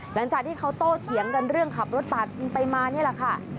หลังจากที่เขาโตเถียงกันเรื่องขับรถปาดไปมานี่แหละค่ะ